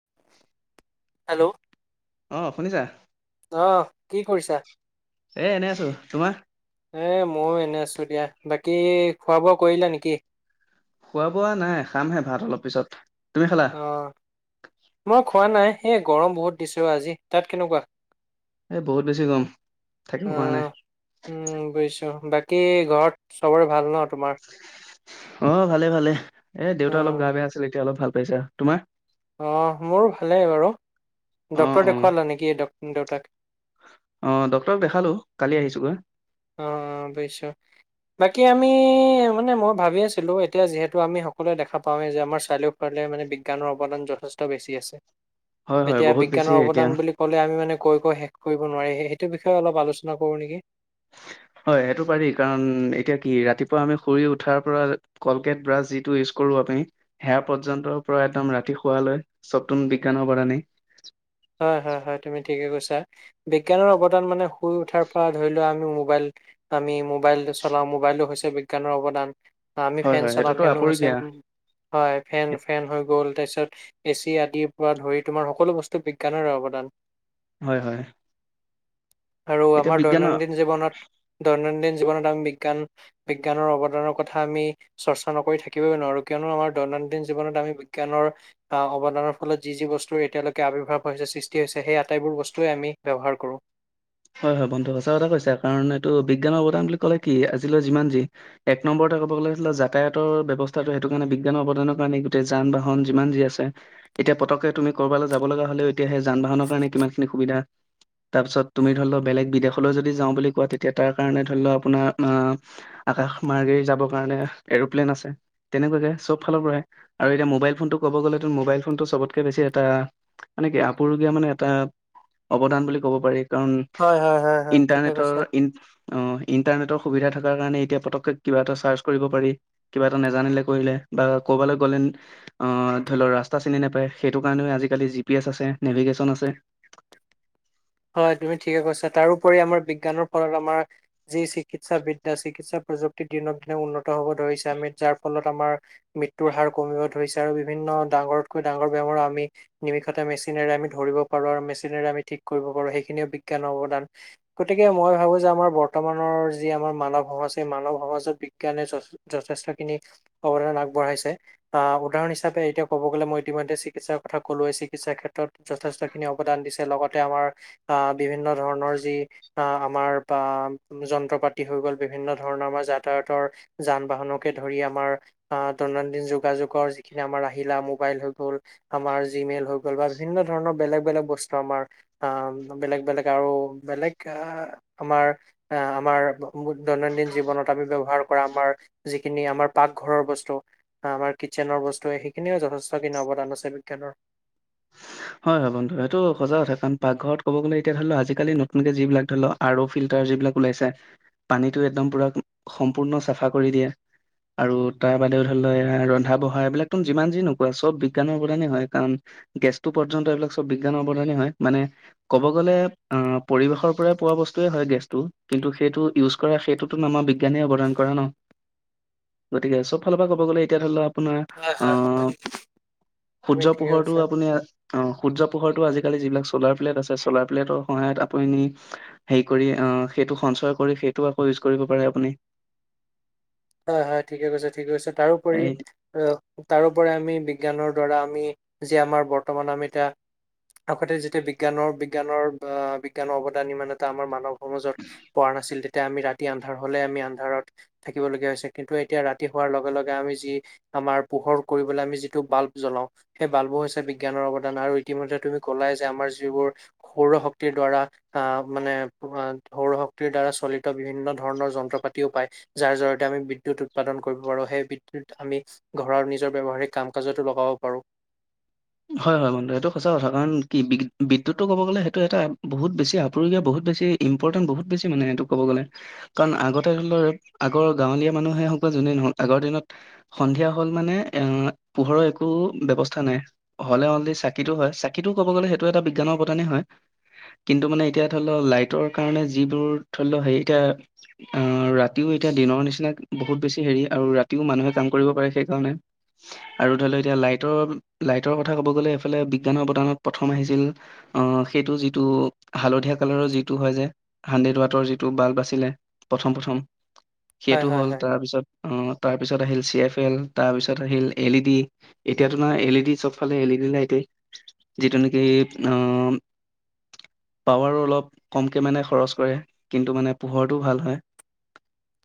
[inaudible] Hello অ' শুনিছা? আহ কি কৰিছা? এ এনে আছো, তোমাৰ? এ ময়ো এনে আছো, এতিয়া বাকী খোৱা বোৱা কৰিলা নেকি? খোৱা বোৱা নাই খামহে ভাত অলপ পিছত। তুমি খালা আহ, মই খোৱা নাই এ গৰম বহুত দিছো আজি, তাত কেনেকুৱা? এই বহুত বেছি গৰম, থাকিব পৰা নাই। কি ঘৰত চবৰে ভাল নহ? অ' ভালে ভালে, এ অ দেউতা অলপ গা বেয়া আছিল এতিয়া অলপ ভাল পাইছে, আৰু তোমাৰ? আহ মোৰো ভালেই বাৰু, অ ডকক্তৰ অ দেখুৱালা নেকি দেউতাক? আহ ডটৰ দেখালো কালি আহিছোগৈ। অ অ বুজিছো বাকী আমি মানে মই ভাবি আছিলো এতিয়া যিহেতু আমি সকলোৱে দেখা পাওঁৱে যে আমাৰ চাৰিওৰ মানে বিজ্ানৰ অৱদান যথেষ্ট বেছি আছে, হয় হয় এতিয়া বহুত বেছি বিজ্ঞানৰ এতিয়া অৱদান বুলি ক'লে আমি মানে কৈ কৈ শেষ কৰিব নোৱাৰি, সেইটো বিষয়ে অলপ আলোচনা কৰো নেকি? হয় সেইটো পাৰি, কাৰণ এতিয়া কি ৰাতিপুৱা আমি শুৰি উঠাৰ পৰা কলগেট ব্ৰাছ যিটো ইজ কৰো আপমি সেয়া পৰ্যন্তৰ পৰা একদম ৰাতি শুৱ লৈ চতুন বিজ্ঞানৰ পৰাণি। হয় হয় হয় তুমি ঠিকে কৈছা বিজ্ঞানৰ অৱদান মানে শুই উঠাৰ পৰা ধৰি লোৱা আমি মোবাইল আমি মোবাইল চলাও মোবাইলো হৈছে বিজ্ঞানৰ অৱদান। আমি হয় ফেন হয় চলাওঁ সেইটোতো ফেনো হৈছে, আপুৰুগীয়া হয় ফেন ফেন হৈ গ'ল ত িছত এচি আদিৰ পৰা ধৰি তোমাৰ সকলো বস্তু বিজ্ঞানৰে অৱদান। হয় হয়। আৰু এতিয়া আমাৰ বিজ্ঞানৰ দৈনন্দিন জীৱনত দৈনন্দিন বি বিজ্ঞানৰ অানৰ কথা আমি চৰ্চা নক থাকিব নোৱাৰো কিয়নো আমাৰ দৈনন্দিন জীৱনত আমিজ্ানৰ আহ অৱদানৰ ফলত যি যি বস্তু এতিয় আৱবিৰ্ভাৱ হৈছে সৃষ্টি হৈছে সেই আটাইবোৰ বস্তুৱে আমি ব্যৱহাৰ কৰোঁ। হয় হয় বন্ধু সঁচা কথা কৈছো কাৰণ এইটো বিজ্ঞানৰ অৱদান বুলি ক'লে কি আজিলৈ যিমান যি এক নম্বৰ ক'ব গছিল যাতায়াতৰ ব্যৱস্থাটো সেইটো কাৰণে বিজ্ঞানৰ অৱদানৰ কাৰণে গোটেই যান বাহন যিমান যি আছে। এতিয়া পতকে তুমি ক'ৰবালৈ যাব লগা হ'লেও এতিয়া সেই যান বাহনৰ কাৰণে কিমান খিনি সুবিধা, তাৰপিছত তুমি ধৰি লও বেলেগ বিদেশলৈ যদি যাওঁ বুলি কোৱা তেতিয়া তাৰ কাৰণে ধৰি লও আপোনাৰ আহ, আকাশ মাৰ্গে‌ কাৰ এপ্লে ফালৰ পৰা আৰু এতিয়া মোবাইল ফোনটো কব গলে ম টো চবতকে বেছি এটা মানে কিপুৰুগীয়া মানে এটা অৱদান বুলি কব পাৰি। কাৰণ, হয় হয় হয় হয় ঠিকে ইণ্টাৰনেটৰ কৈছা। ই অ' ইণ্টাৰনেটৰ সুবিধা থকাৰ কাৰণে এতিয়া পতকে কিবা এটা চাৰ্চ কৰিব পাৰি কিবা এটা নেজানিলে কৰিলে বা ক'বালৈ গ'লে আ ধৰি লও ৰাস্তা চিনি নোপায় সেইটো কাৰণে আজিকালি জি পি এছ আছে নেভিগেশ্যন আছে। [inaudible] হয় তুমি ঠিকে কৈছা, তাৰউপৰি আমাৰ বিজ্ঞানৰ ফলত আমাৰ যি চিকিৎসা বিদ্যা চিকিৎসা প্ৰযুক্তি দিনক দিনে উন্নত হ'ব ধৰিছে আমি যাৰ ফলত আমাৰ মৃত্্যুৰ হাৰ কমিব ধৰিছে আৰু বিভিন্ন ডাঙৰৰতকৈ ডাঙৰ বেমাৰো আমি নিমিষতে মেচিনেৰে আমি ধৰি পাৰো আৰু মেচিনেৰে আমি ঠিক কৰিব পাৰো সেইখিনিও বিজ্ঞানৰ অৱদান গতিকে মই ভাবো যে আমাৰ বৰ্তমানৰ যি আমাৰ মানৱ সম মানৱ সমাজত বিজ্ঞানে যথেষ্ট খিনি অৱদান আগবঢ়াইছে আহ উদাহৰণ হিচাপে হিাপ এতিয়া ক'ব গ ম ইতিমধ্য চিকিৎসাৰ কলোৱেই চিকিৎাৰ ক্ষেত্ৰত যথেষ্ট খিনি অৱদান দিছে লগতে আমাৰ আহ বিভিন্ন ধৰণৰ যি আহ আমাৰ বা যন্ত্ৰ পাতি হৈ গল বিভিন্ন ধৰণৰ আমাৰ যাতায়তৰ যান বাহনকে ধৰি তোমাৰ আ দৈনন্দিন যোগাযোগৰ যিখিনি আমাৰ আহিলা মবাইল হয় গল জিমেইল হয় গল। বা বিভিন্ন ধৰণৰ বেলেগ বেলেগ বস্তু আমাৰ আ বেলেগ বেলেগ আৰু বেলেগ আমাৰ আহ আমাৰ দৈনন্দিন দৈনন্দিন জীৱনত আমি ব্ৱহাৰ কৰা আমাৰ, যিখিনি আমাৰ পাকঘৰৰ বস্তু আমাৰ কিচেনৰ বস্তু। সেইখিন যথেষ্টখিনি অৱদান আছে বিজ্ঞানৰ। হয় হয় বন্ধু স এইটো সজা কথা কাৰণ পাকঘৰত ক'ব গলে এতিয়া ধৰি আজিকালি নতুনকে যিবিলাক ধৰি ফিলাৰ যিবিলাক ওলাইছে, পানীটো একদম পুৰা সম্পূৰ্ণ চাফা কৰি দিয়ে। আৰু তাৰ বাদেও ধৰি লও ৰন্ধা বঢ়া এইবিলাক তুম যিমান যি নো কোৱা চব বিজ্ঞানৰ অবদানে হয় কাৰণ গেষ্ট পৰ্যন্ত এইবিলাক চব বিজ্ঞানৰ অৱদানি হয় মানে ক'ব গ'লে অ' পৰিবেশৰ পৰাই পোৱা বস্তুৱয়ে হয়। গেছটো কিন্তু সেইটো ইউজ কৰা সেইটোতটো আমাৰ বিজ্ঞানে অৱদান কৰা ন? [inaudible] গতিকে চব ফালৰ পৰা ক'ব গ'লে এতিয়া ধৰি লও আপোনাৰ হয় হয় হয় আহ, তুমি সূৰ্য ঠিকে কৈছা পোহৰটো আপুনি অ' সূৰ্য পোহৰটো আজিকালি যিবিলাক চলাৰ প্লেট আছে চলাৰ প্লেটৰ সহায়ত আপুনি হেৰি কৰি অ' সেইটো সংসাৰ কৰি সেইটো আকৌ ইউচ কৰিব পাৰে আপুনি। [inaudible] হয় হয় ঠিকে কৈছে ঠিকে কৈছে তাৰোপৰি এই আহ তাৰোপৰি আমি বিজ্ঞানৰ দ্বাৰা আমি যে আমাৰ বৰ্তমান আমি এতিয়া আগতে যেতিয়া বিজ্ঞানৰ বিজ্ঞানৰ আহ বিজ্ঞানৰ অৱদানি মানে এটা আমাৰ মানৱ সমাজত প নাছিল তেতিয়া আমি ৰাতি আন্ধাৰ হলে আমি আন্ধাৰত থাকি শিকিবলগীয়া হৈছে কিন্তু এতিয়া ৰাতি হোৱাৰ লগে লগে আমি যি আমাৰ পোহৰ কৰিবলৈ আমি যিটো বাল্ব জ্বলাও। সেই বালবোৰ হৈছে বিজ্ঞানৰ অৱদান আৰু ইতিমধ্যে তুমি ক'লাই যে আমাৰ যিবোৰ সৌৰ শক্তিৰ দ্বাৰা আহ মানে সৌৰ শক্তিৰ দ্বাৰা চলিত বিভিন্ন ধৰণৰ যন্ত্ৰ পাতিও পায়। যাৰ জৰিয়তে আমি বিদ্যুত উৎপাদন কৰিব পাৰো সেই বিদ্ুত আমি ঘৰৰ নিজৰ ব্যয়ৱসাৰিক কাম কাজতো লগাব [unintelligible] হয়, হয় বন্ধু এইটো সঁচা কথা কাৰণ কি বিদ্যুতটো ক'ব গ'লে সেইটো এটা বহুত বেছি আপুৰুগীয়া বহুত বেছি ইম্পৰ্টেট বহুত বেছি মানে এইেটো ক'ব গ'লে কাৰণ আগতে আগৰ গাঁৱলীয়া মানুহে যোনেই নহ'ক আগৰ দিনত সন্ধিয়া হ'ল মানে এ পোহৰৰ একো ব্যৱস্থা নাই। হ'লে অনলি চাকিটো হয় চাকিটো ক'ব গ'লে সেইটো এটা বিজ্ঞানৰ অবদানেই হয়। কিন্তু মানে এতিয়া ধৰি লওঁ লাইটৰ কাৰণে যিবোৰ ধৰি লওঁ হে এতিয়া আহ ৰাতিও এতিয়া দিনৰ নিচিনা বহুত বেছি হেৰি আৰু ৰাতিও মানুহে কাম কৰিব পাৰে সেইকাৰণে। আৰু ধৰি ল' এতিয়া লাইটৰ লাইট কথা ক'ব গ'লে এইফালে বিজ্ঞানৰ অৱদানত প্ৰথম আহিছিল আহ সেইটো যিটো হালধীয়া কালাৰৰ যিটো হয় যে হানড্ৰেড ৱাটৰ যিটো বাল্ব আছিলে প্ৰথম প্ৰথম। হয় সেইটো হয় হ'ল হয় তাৰপিছত অ' তাৰ পিছত আহিল চি এফ এল তাৰ পিছত আহিল এল ই ডি এতিয়া তোম এল ই ডি চব ইফালে এল ই ডি লাইটেই, যিটো নেকি আ পাৱাৰো অলপ কমকে মানে খৰচ কৰে কিন্তু মানে পোহৰটো ভাল হয়।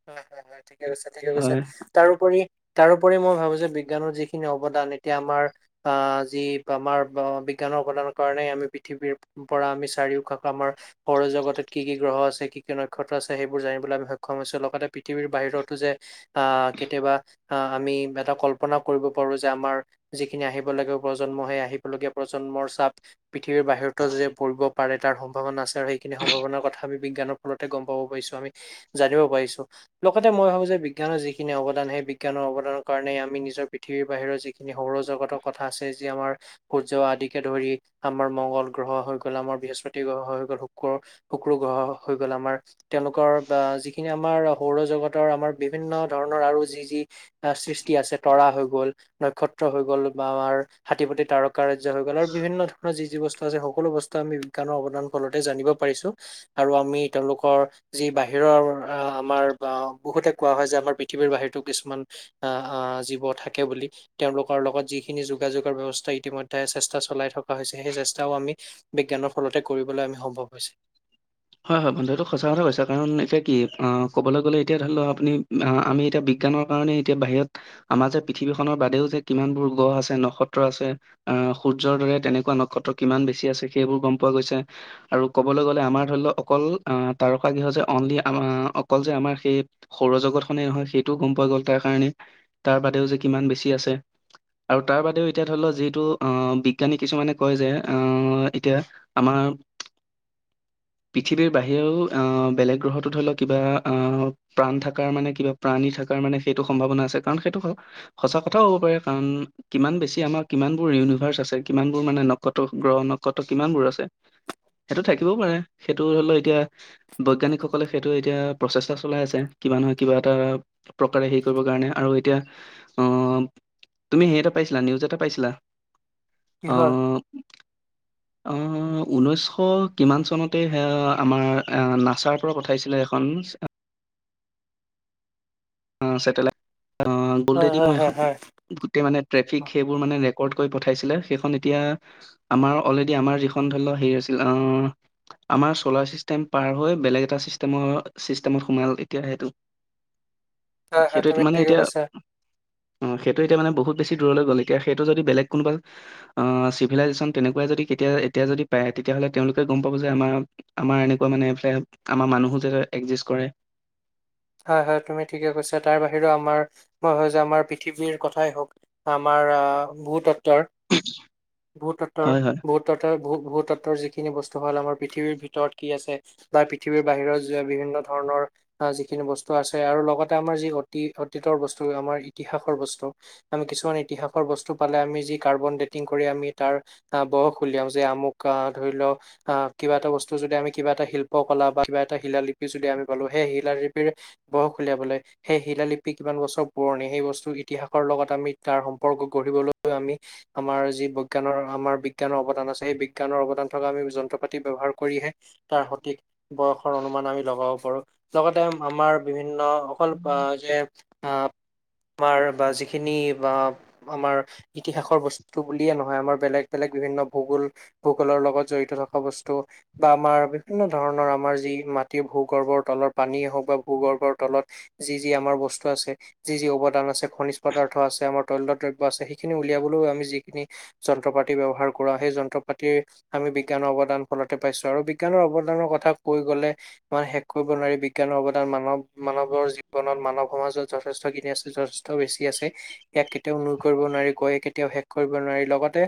হয় হয় হয় ঠিকে কৈছে ঠিকে কৈছে হয় তাৰউপৰি তাৰোপৰি মই ভাবো যে বিজ্ঞানৰ যিখিনি অৱদান এতিয়া আমাৰ আহ যি আমাৰ বিজ্ঞানৰ প্ৰদানৰ কাৰনেে আমি পৃথিৱীৰ পৰা আমি চাৰিওকাাষ আমাৰ সৌৰ জগতত কি কি গ্ৰহ আছে কি কি নক্ষত্ৰ আছে সেইবোৰ জানিবলৈ সক্ষম হৈছো লগ পৃথিৱীৰ বাহিৰতো যে আহ কেতিয়াবা আমি এটা কল্পনা কৰিব পাৰো যে আমাৰ যিখিনি আহিব লাগে প্ৰজন্ম সেই আহিবলগীয়া প্ৰজন্মৰ চাপ পৃথিৱীৰ বাহিৰো যে পৰিব পাৰে তাৰ সম্ভাৱনা আছে আৰু সেইখিনি সম্ভাৱনাৰ কথা আমি বিজ্ঞানৰ ফলতে গম পাব পাৰিছো আমি জানিব পাৰিছো। লগতে মই ভাবো যে বিজ্ঞানৰ যিখিনি অৱদান সেই বিজ্ঞানৰ অৱদানৰ কাৰণেই আমি নিজৰ পৃথিৱীৰ বাহিৰৰ যিখিনি সৌৰ জগতৰ কথা আছে যি আমাৰ সূৰ্য আদিকে ধৰি আমাৰ মংগল গ্ৰহ হৈ গ'ল আমাৰ বৃহস্পতি গ্ৰহ হৈ গ'ল শুক্ৰ শুক্ৰ গ্ৰহ হৈ গ'ল আমাৰ। তেওঁলোকৰ বা যিখিনি আমাৰ সৌৰজগতৰ আমাৰ বিভিন্ন ধৰণৰ আৰু যি যি সৃষ্টি আছে তৰা হৈ গ'ল নক্ষত্ৰ হৈ গ'ল বা আমাৰ হাতীপতি তাৰ ৰাজ্য হৈ গ'ল আৰু বিভিন্ন ধৰণৰ যি যি বস্তু আছে সকলো বস্তু আমি বিজ্ঞানৰ অৱদানৰ ফলতে জানিব পাৰিছো আৰু আমি তেওঁলোকৰ যি বাহিৰৰ আ আমাৰ [unintelligible] তে কোৱা হয় যে আমাৰ পৃথিৱীৰ বাহিৰতো কিছুমান আ জীৱ থাকে বুলি তেওঁলোকৰ লগত যিখিনি যোগাযোগৰ ব্যৱস্থা ইতিমধ্যে চেষ্টা চলাই থকা হৈছে৷ সেই চেষ্টাও আমি বিজ্ঞানৰ ফলতে কৰিবলৈ সম্ভৱ হৈছে। হয়, হয় বন্ধটো সঁচা কথা কৈছা কাৰণ এতিয়া কি অ' ক'বলৈ গ'লে এতিয়া ধৰি ল' আপুনি আমি এতিয়া বিজ্ঞানৰ কাৰণে এতিয়া বাহিৰত আমাৰ যে পৃথিৱীখনৰ বাদেও যে কিমানবোৰ গ্ৰহ আছে নক্ষত্ৰ আছে। অ', সূৰ্যৰ দৰে তেনেকুৱা নক্ষত্ৰ কিমান বেছি আছে সেইবোৰ গম পোৱা গৈছে আৰু ক'বলৈ গ'লে আমাৰ ধৰি ল' অকল তাৰকা গৃহ যে অনলি আম অকল যে আমাৰ সেই সৌৰ জগতখনে নহয় সেইটো গম গ'ল তাৰ কাৰণে তাৰ বাদেও যে কিমান বেছি আছে। আৰু তাৰ বাদেও এতিয়া ধৰি লও যিহেতু আহ বিজ্ঞানী কিছুমানে কয় যে আহ এতিয়া আমাৰ [inaudible] [inaudible] পৃথিৱীৰ বাহিৰেও আহ বেলেগ গ্ৰহটোত ধৰি লওক কিবা আহ প্ৰাণ থকাৰ মানে কিবা প্ৰাণী থকাৰ মানে সম্ভাৱনা আছে। কাৰণ ধৰক সচাঁ কথাওঁ হ'ব পাৰে। কাৰণ কিমান বেছি আমাৰ কিমানবোৰ ইউনিভাৰ্চ আছে কিমানবোৰ মানে নক্ষত্ৰ গ্ৰহ নক্ষত্ৰ কিমানবোৰ আছে। সেইটো থাকিবও পাৰে। সেইটো ধৰি লও এতিয়া বৈজ্ঞানিকসকলে সেইটো এতিয়া প্ৰচেষ্টা চলাই আছে। কিবা নহয় কিবা এটা প্ৰকাৰে হেৰি কৰিবৰ কাৰণে আৰু এতিয়া আহ তুমি হেৰি এটা পাইছিলা নিউজ এটা পাইছিলা? অ কিহৰ? অ', ঊনৈছশ কিমান চনত তে আমাৰ নাচাৰ পৰা পঠাইছিলে এখন চেটেলাইট অ' হয় গলদি হয় হয় এইখন হয় গোটে মানে ট্ৰেফিক সেইবোৰ মানে ক'ট কৈ পঠাইছিলে সেইখন এতিয়া আমাৰ অলৰেডি আমাৰ যিখন ধৰি লোৱা হেৰি আছিল অ' আমাৰ চলাৰ চিষ্টেম পাৰ হৈ বেলেগ এটা চিষ্টেম চিষ্টেমত সোমাল এতিয়া সেইটো। [inaudible] হয় সেইটো তুমি মানে ঠিকে এতিয়া, কৈছা উম, সেইটো এতিয়া মানে বহুত বেছি সি দূৰলৈ গলে এতিয়া সেইটো যদি বেলেগ কোনোবা আ, চিভিলাইজেচন তনেকুৱায়ে যদি কেতিয়া এতিয়া যদি পায়, তেতিয়া য়াহলে তেওঁলোকে গম পাব যে, আমাৰ-আমাৰ এনেকুৱা মানে এইফালে আমাৰ মানুহো যে একজিষ্ট কৰে। [inaudible] হয়-হয় তুমি ঠিকে কৈছা। তাৰ বাহিৰেও আমাৰ মই হয় যে আমাৰ পৃথিৱীৰ কথাই হওক আমাৰ পৰা ভূ-তত্ত্বৰ, হয় হয় ভূ-তত্ত্বৰ-ভূ-তত্ত্বৰ-ভূ-ভূ-তত্ত্বৰ যি খিনি বস্তু হ'ল আমাৰ পৃথিৱীৰ ভিতৰত কি আছে? বা পৃথিৱীৰ বাহিৰত যি বিভিন্ন ধৰণৰ, আজি খিনি বস্তু আছে আৰু লগতে আমাৰ যি অতী অতীতৰ বস্তু আমাৰ ইতিহাসৰ বস্তু আমি কিছুমানে ইতিহাসৰ বস্তু পালে আমি যি কাৰ্বন ডেটিং কৰি আমি তাৰ আ বয়স উলিয়াওঁ যে আমুক ধৰি ল অ', আ কিবা এটা বস্তু যদি আমি কিবা এটা শিল্প কলা বা কিবা এটা শিলা লিপি যদি আমি পালো সেই শিলা [unintelligible] বয়স উলিয়াবলে সেই শিলা লিপি কিমান বছৰ পুৰণি সেই বস্তু ইতিহাসৰ লগত আমি তাৰ উপৰ্গ গঢ়িবলৈ আমি আমাৰ যি বৈজ্ঞানৰ আমাৰ বিজ্ঞানৰ অৱদান আছে সেই বিজ্ঞানৰ অৱদান থকা যন্ত্ৰ পাতি ব্যৱহাৰ কৰিহে তাৰ সঠিক বয়সৰ অনুমান আমি লগাব পাৰো। লগত তে আমাৰ বিভিন্ন অকলপ আ যে আ আমাৰ বা যিখিনি বা আমাৰ ইতিহাসৰ বস্তু বুলিয়ে নহয়, আমাৰ বেলেগ-বেলেগ বিভিন্ন ভূগোল, ভূগোলৰ লগত জড়িত থকা বস্তু, বা আমাৰ বিভিন্ন ধৰণৰ আমাৰ যি মাটি ভূগৰ্ভৰ তলত পানীয়ে হওক বা ভূগৰ্ভৰ তলত যি-যি আমাৰ বস্তু আছে, যি-যি অৱদান আছে, খনিজ পদাৰ্থ আছ ছে আমাৰ তৈল্য দ্ৰব্য আছে, সেইখিনি উলিয়াবলৈও আমি যিখিনি যন্ত্ৰ পাতি ব্যৱহাৰ কৰোঁ, সেই যন্ত্ৰ পাতিৰ আমি বিজ্ঞানৰ অৱদান ফলতে পাইছো, আৰু বিজ্ঞানৰ অৱদানৰ কথা কৈ গলে মানে শেষ কৰিব নোৱাৰি, বি জ্ঞানৰ অৱদান মানৱ-মানৱৰ জীৱনত মানৱ সমাজত যথেষ্টখিনি আছে, যথেষ্ট বেছি আছে ইয়াক কেতিয়াও নুই কৰিব নোৱাৰি, কৈ কেতিয়াও শেষ কৰিব নোৱাৰি, লগতে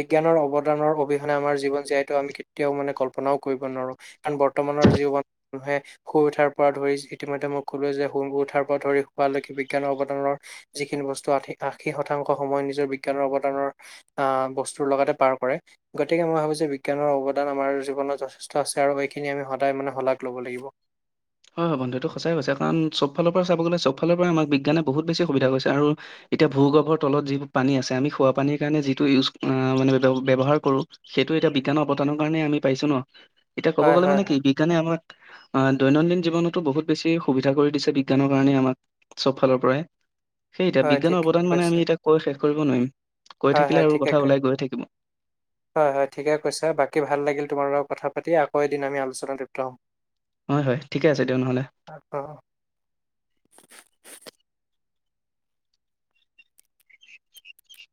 বিজ্ঞানৰ অৱদানৰ অবিহনে আমাৰ জী জীৱন জীয়াইটো আমি কেতিয়াও মানে কল্পনাও কৰিব নোৱাৰো, কাৰণ বৰ্তমানৰ জীৱনত মানুহে শুই উঠাৰ পৰা ধৰি যি ইতিমধ্যে মই কলোৱে যে সুই উঠাৰ পৰা ধৰি শুৱা লৈকে, বিজ্ঞানৰ অৱদানৰ যিখিনি বস্তু আ আশী শতাংশ সময় নিজৰ বিজ্ঞানৰ অৱদানৰ আ, বস্তুৰ লগতে পাৰ কৰে। গতিকে মই ভাবি ছোঁ যে বিজ্ঞানৰ অৱদান আমাৰ জীৱনত যথেষ্ট আছে, আৰু এইখিনি আমি সদায় মানে শলাগ ল'ব লাগিব। হয়-হয় বন্ধু এইটো সঁচাই কৈছা, কাৰণ চব ফালৰ পৰা চাব গলে চব ফালেৰে পৰা আমাক বিজ্ঞানে বহুত বেছি সুবিধা কৰিছে। আৰু এতিয়া ভূগৰ্ভৰ তলত যিবোৰ পানী আছে আমি খোৱা পানীৰ কাৰণে যিটো ইউজ আ, মানে ব্য-ব্যৱহাৰ কৰো সেইটো এতিয়া বিজ্ঞানৰ অৱতানৰ কাৰণে আমি পাইছো ন'। এতিয়া ক'ব হয় গ'লে হয় মানে কি হয় বিজ্ঞানে আমাক আ, দৈনন্দিন জীৱনতো বহুত বেছি সুবিধা কৰি দিছে, বিজ্ঞানৰ কাৰণে আমাক চব ফালৰ পৰাই। সেই এতিয়া হয় বিজ্ঞানৰ ঠিকে অৱদান মানে আমি এতিয়া কৈ শেষ কৰিব নোৱাৰিম। কৈ থাকিলে হয়-হয় আৰু ঠিকে কথা কয়, ওলাই গৈ থাকিব হয়-হয় ঠিকে কৈছা। বাকি ভাল লাগিল তোমাৰ লগত কথা ৰাতি আকৌ এদিন আমি আলোচনাত জৰিত হ'ম। হয়-হয় ঠিকে আছে দিয়া নহ'লে। অ অ [unintelligible]